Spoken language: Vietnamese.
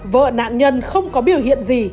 vợ nạn nhân không có biểu hiện gì